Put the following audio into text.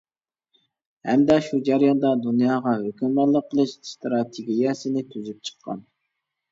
ھەمدە شۇ جەرياندا دۇنياغا ھۆكۈمرانلىق قىلىش ئىستراتېگىيەسىنى تۈزۈپ چىققان.